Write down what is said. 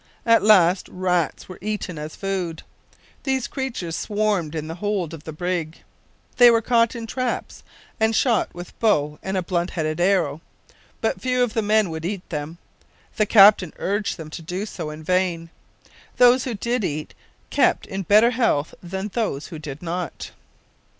At last rats were eaten as food. These creatures swarmed in the hold of the brig. They were caught in traps and shot with a bow and a blunt headed arrow. But few of the men would eat them. The captain urged them to do so in vain. Those who did eat kept in better health than those who did not.